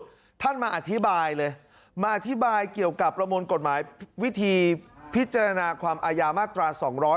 ท่านมาอธิบายเลยมาอธิบายเกี่ยวกับประมวลกฎหมายวิธีพิจารณาความอายามาตรา๒๗